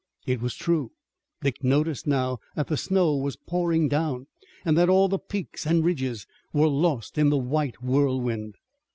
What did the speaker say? It was true. Dick noticed now that the snow was pouring down, and that all the peaks and ridges were lost in the white whirlwind.